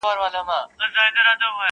o کلي نوې څېره خپلوي ورو,